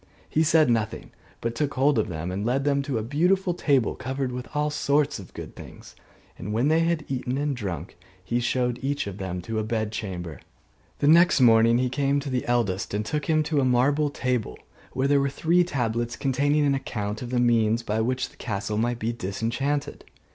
He said nothing, but took hold of them and led them to a beautiful table covered with all sorts of good things: and when they had eaten and drunk, he showed each of them to a bed chamber. The next morning he came to the eldest and took him to a marble table, where there were three tablets, containing an account of the means by which the castle might be disenchanted.